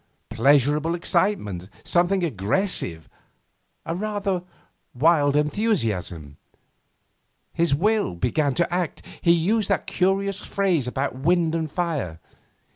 Pleasurable excitement, something aggressive, a rather wild enthusiasm. His will began to act. He used that curious phrase about wind and fire.